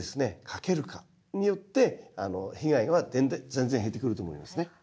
かけるかによって被害は全然減ってくると思いますね。